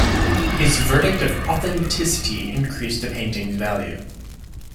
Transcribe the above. His verdict of authenticity increased a painting's value.